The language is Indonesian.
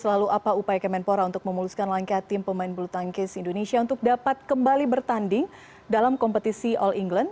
lalu apa upaya kemenpora untuk memuluskan langkah tim pemain bulu tangkis indonesia untuk dapat kembali bertanding dalam kompetisi all england